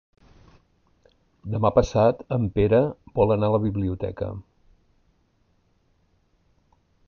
Demà passat en Pere vol anar a la biblioteca.